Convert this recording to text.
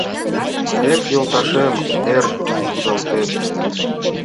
Эк, йолташем, эр кудалтет